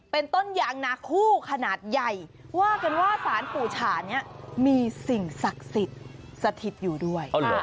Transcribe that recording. เป็นต้นยางนาคู่ขนาดใหญ่ว่ากันว่าสารปู่ฉานี้มีสิ่งศักดิ์สิทธิ์สถิตอยู่ด้วย